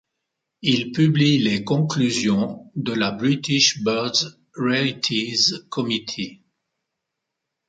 Il publie les conclusions de la British Birds Rarities Comitee.